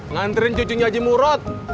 nganterin cucunya haji murot